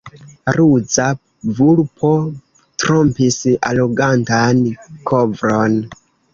Ruza vulpo trompis arogantan korvon.